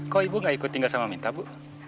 kok ibu gak ikut tinggal sama minta bu